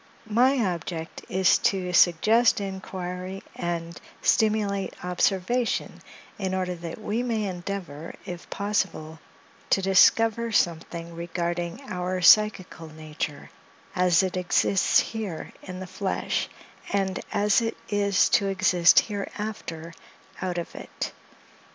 My object is to suggest inquiry and stimulate observation, in order that we may endeavor, if possible, to discover something regarding our psychical nature, as it exists here in the flesh; and as it is to exist hereafter, out of it.